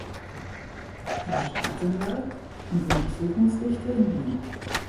Er war Staatsanwalt und Untersuchungsrichter in Wien.